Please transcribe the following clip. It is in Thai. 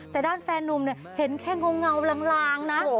แต่ด้านแฟนนุ่มเนี่ยเห็นแค่เงาลางนะ